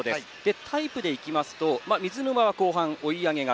タイプでいきますと水沼は後半追い上げ型。